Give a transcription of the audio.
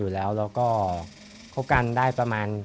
แล้วพวกเราจะมากกว่า